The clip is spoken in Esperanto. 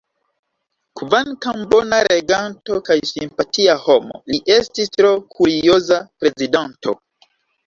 Kvankam bona reganto kaj simpatia homo, li estis tro kurioza prezidanto.